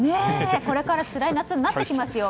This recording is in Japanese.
これからつらい夏になってきますよ。